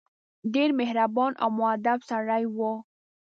ډېر مهربان او موءدب سړی وو.